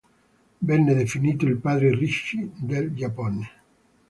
Venne definito il Padre Ricci del Giappone.